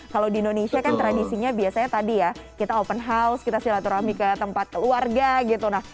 kalau di indonesia kan tradisinya biasanya tadi ya kita open house kita silaturahmi ke tempat keluarga gitu